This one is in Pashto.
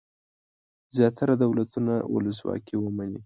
زیاتره دولتونه ولسواکي ومني.